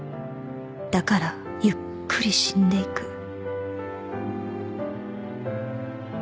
「だからゆっくり死んでいく」